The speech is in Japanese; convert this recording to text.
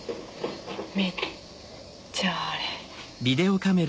めっちゃ晴れ。